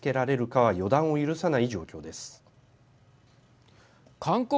はい。